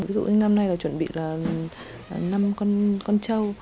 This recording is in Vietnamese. ví dụ như năm nay là chuẩn bị là năm con trâu